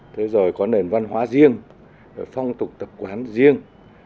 thế rồi có nền văn hóa riêng phong tục tập quán riêng